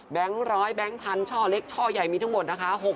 ร้อยแบงค์พันช่อเล็กช่อใหญ่มีทั้งหมดนะคะ